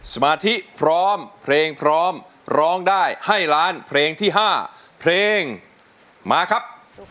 สมาธิพร้อมเพลงพร้อมร้องได้ให้ล้านเพลงที่๕เพลงมาครับ